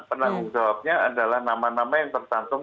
penanggung jawabnya adalah nama nama yang tercantum